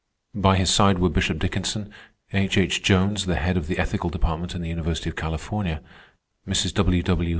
By his side were Bishop Dickinson; H. H. Jones, the head of the ethical department in the University of California; Mrs. W. W.